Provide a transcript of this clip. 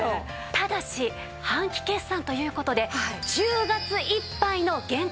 ただし半期決算という事で１０月いっぱいの限定販売です。